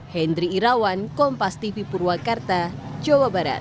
hendri irawan kompas tv purwakarta jawa barat